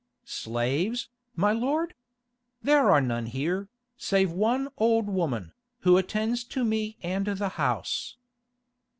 "Slaves, my lord? There are none here, save one old woman, who attends to me and the house."